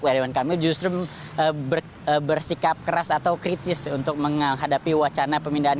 pak irwan kamil justru bersikap keras atau kritis untuk menghadapi wacana pemindahan